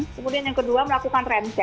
kemudian yang kedua melakukan rem cek